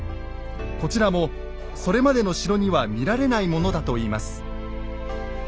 こちらもそれまでの城には見られないものだといいます。